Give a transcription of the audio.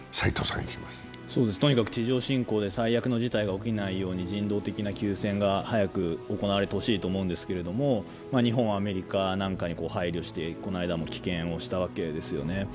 とにかく地上侵攻で最悪の事態が起きないように人道的な休戦が早く行われてほしいと思うんですけど、日本はアメリカなんかに配慮して、この間も棄権をしたわけですよね。